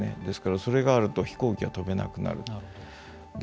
ですから、それがあると飛行機が飛べなくなる。